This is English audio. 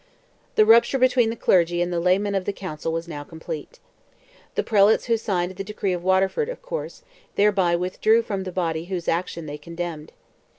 The rupture between the clergy and the laymen of the Council was now complete. The prelates who signed the decree of Waterford, of course, thereby withdrew from the body whose action they condemned.